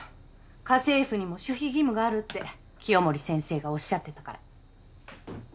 家政婦にも守秘義務があるって清守先生がおっしゃってたから。